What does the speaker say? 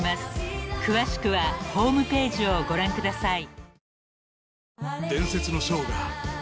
［詳しくはホームページをご覧ください］